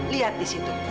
lihat di situ